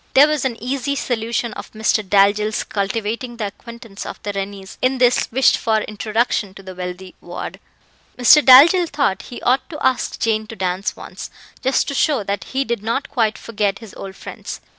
There was an easy solution of Mr. Dalzell's cultivating the acquaintance of the Rennies in this wished for introduction to the wealthy ward. Mr. Dalzell thought he ought to ask Jane to dance once, just to show that he did not quite forget his old friends.